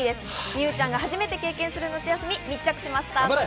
美羽ちゃんが初めて経験する夏休み密着しました。